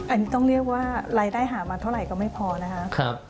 อันนี้ต้องเรียกว่ารายได้หามาเท่าไหร่ก็ไม่พอนะคะ